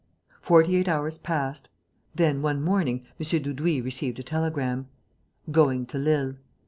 Forty eight hours passed. Then, one morning, M. Dudouis received a telegram: "Going to Lille.